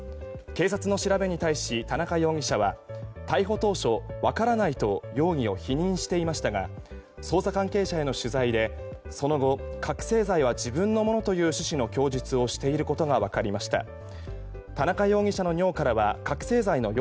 警察の調べに対し田中容疑者は逮捕当初、分からないと容疑を否認していましたが捜査関係者への取材で、その後覚醒剤は自分のものという趣旨の供述をしていることが分かりました。